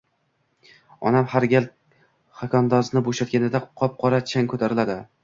Onam har gal xokandozni bo‘shatganida qop-qora chang ko‘tariladi.